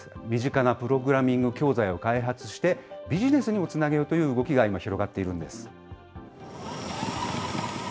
身近なプログラミング教材を開発して、ビジネスにもつなげようという動きが今、広がっているんです。